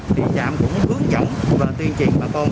địa chạm cũng hướng dẫn và tuyên truyền bà con